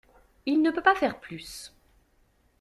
Il ne peut pas faire plus.